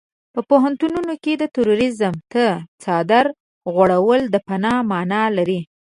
په پوهنتونونو کې تروريزم ته څادر غوړول د فناه مانا لري.